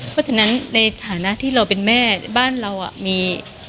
เพราะฉะนั้นในฐานะที่เราเป็นแม่บ้านเรามี